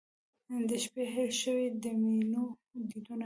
د شپې هیر شوي د میینو دیدنونه